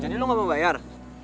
jadi lu gak mau bayar